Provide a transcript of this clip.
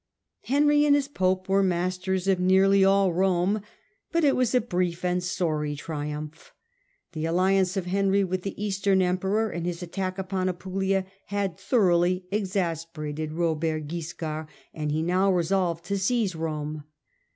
Henry and his pope were masters of nearly all Rome, but it was a brief and sorry triumph. The alliance of Henry with the Eastern emperor, and his attack upon Apulia, had thoroughly exasperated Robert Wiscard, and he now resolved to seize Rome.